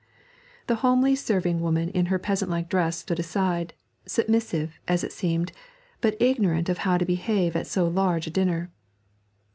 The homely serving woman in her peasant like dress stood aside, submissive, as it seemed, but ignorant of how to behave at so large a dinner.